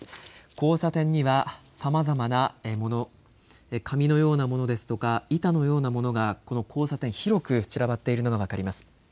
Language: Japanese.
交差点には、さまざまなもの紙のようなものですとか板のようなものが、この交差点広く散らばっているのが分かります。